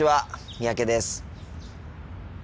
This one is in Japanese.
三宅です。